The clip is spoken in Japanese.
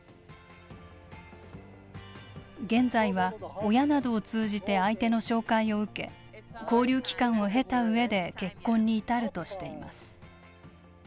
現在は親などを通じて相手の紹介を受け交流期間を経たうえで結婚に至るとしています。